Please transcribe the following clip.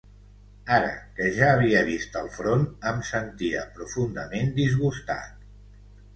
Ara que ja havia vist el front em sentia profundament disgustat.